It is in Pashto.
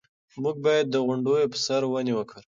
موږ باید د غونډیو په سر ونې وکرو.